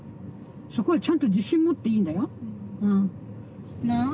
そこはちゃんと自信持っていいんだようん。